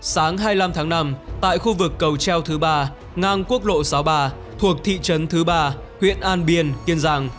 sáng hai mươi năm tháng năm tại khu vực cầu treo thứ ba ngang quốc lộ sáu mươi ba thuộc thị trấn thứ ba huyện an biên kiên giang